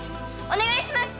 お願いします！